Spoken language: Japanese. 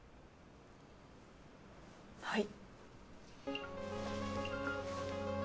はい。